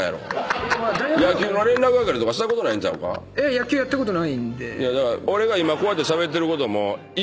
野球やったことないんで。